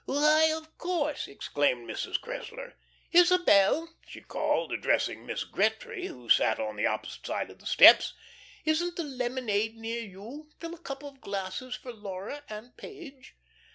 "Why, of course," exclaimed Mrs. Cressler. "Isabel," she called, addressing Miss Gretry, who sat on the opposite side of the steps, "isn't the lemonade near you? Fill a couple of glasses for Laura and Page."